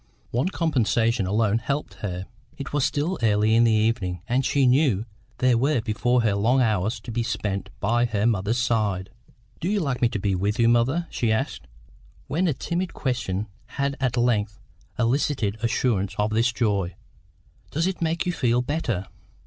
One compensation alone helped her; it was still early in the evening, and she knew there were before her long hours to be spent by her mother's side. "Do you like me to be with you, mother?" she asked, when a timid question had at length elicited assurance of this joy. "Does it make you feel better?"